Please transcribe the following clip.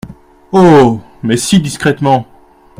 Oh ! mais si discrètement !